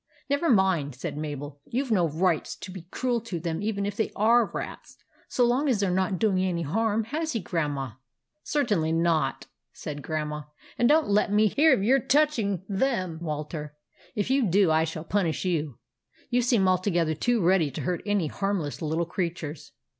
" Never mind," said Mabel ;" you Ve no right \S be cruel to them even if they are rats, so long as they 're not doing any harm, has he, Grandma ?"" Certainly not," said Grandma ;" and don't let me hear of your touching them, Walter. If you do, I shall punish you. You seem altogether too ready to hurt any harmless little creatures."